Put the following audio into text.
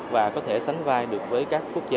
và có thể sánh vai được với các quốc gia